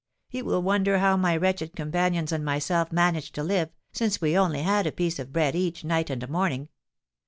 "You will wonder how my wretched companions and myself managed to live, since we only had a piece of bread each, night and morning.